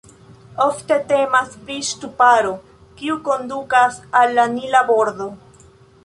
Ofte temas pri ŝtuparo, kiu kondukas al la Nila bordo.